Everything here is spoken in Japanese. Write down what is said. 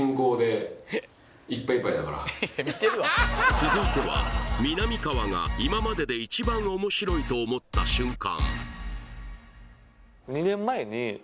続いてはみなみかわが今までで一番面白いと思った瞬間